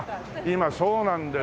今そうなんだよ